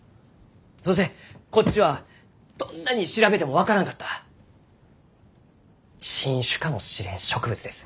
そしてこっちはどんなに調べても分からんかった新種かもしれん植物です。